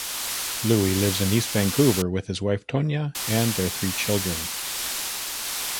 Louie lives in East Vancouver with his wife Tonya and their three children.